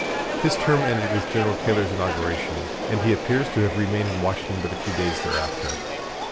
His term ended with General Taylor's inauguration, and he appears to have remained in Washington but a few days thereafter.